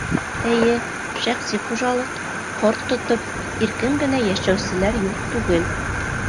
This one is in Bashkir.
Эйе, шәхси хужалыҡ, ҡорт тотоп, иркен генә йәшәүселәр юҡ түгел.